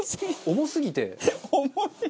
重すぎて。